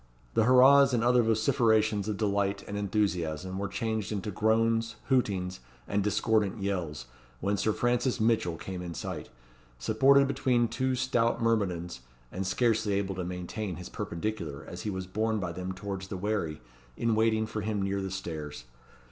The hurrahs and other vociferations of delight and enthusiasm were changed into groans, hootings, and discordant yells, when Sir Francis Mitchell came in sight, supported between two stout myrmidons, and scarcely able to maintain his perpendicular as he was borne by them towards the wherry in waiting for him near the stairs.